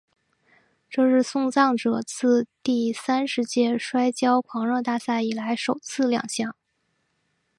这是送葬者自第三十届摔角狂热大赛以来首次亮相。